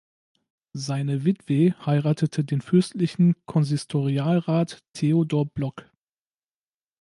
Seine Witwe heiratete den Fürstlichen Konsistorialrat Theodor Block.